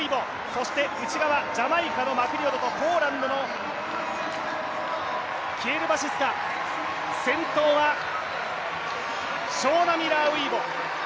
そして、内側、ジャマイカのマクリオドとポーランドのキエルバシスカ、先頭はショウナ・ミラー・ウイボ。